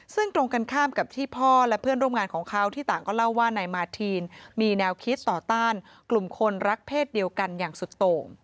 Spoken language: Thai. ซึ่งตรงกันข้ามกับที่พ่อและเพื่อนร่วมงานของเขาที่ต่างก็เล่าว่านายมาทีนมีแนวคิดต่อต้านกลุ่มคนรักเพศเดียวกันอย่างสุดโต่ง